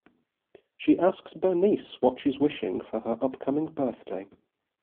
She asks Bernice what she's wishing for her upcoming birthday.